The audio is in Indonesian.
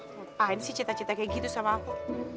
ngapain sih cita cita kayak gitu sama aku